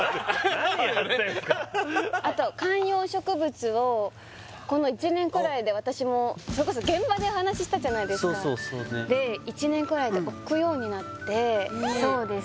何を言ってんすかあと観葉植物をこの１年くらいで私もそれこそ現場でお話ししたじゃないですかそうそうそうねで１年くらいで置くようになっていいそうです